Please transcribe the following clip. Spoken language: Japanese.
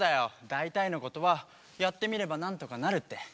だいたいのことはやってみればなんとかなるって。